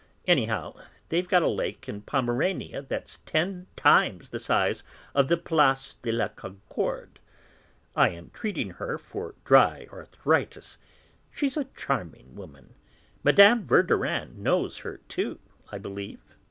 Anyhow they've got a lake in Pomerania that's ten times the size of the Place de la Concorde. I am treating her for dry arthritis; she's a charming woman. Mme. Verdurin knows her too, I believe."